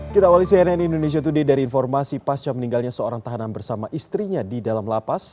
kita awali cnn indonesia today dari informasi pasca meninggalnya seorang tahanan bersama istrinya di dalam lapas